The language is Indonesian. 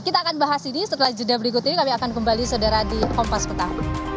kita akan bahas ini setelah jeda berikut ini kami akan kembali saudara di kompas petang